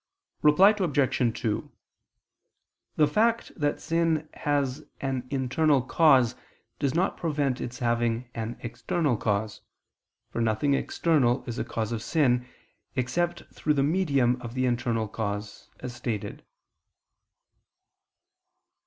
Reply Obj. 2: The fact that sin has an internal cause does not prevent its having an external cause; for nothing external is a cause of sin, except through the medium of the internal cause, as stated.